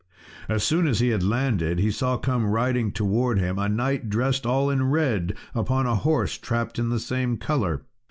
As soon as he had landed, he saw come riding towards him, a knight dressed all in red, upon a horse trapped in the same colour.